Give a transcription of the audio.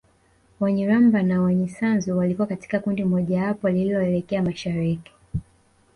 Wanyiramba na Wanyisanzu walikuwa katika kundi mojawapo lililoelekea mashariki